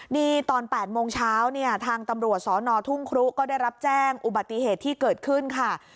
นี่ตอน๘โมงเช้าเนี่ยทางตำรวจสอนอทุ่งครุก็ได้รับแจ้งอุบัติเหตุที่เกิดขึ้นค่ะ